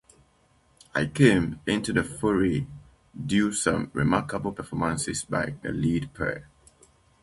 It came into the foray due some remarkable performances by the lead pair.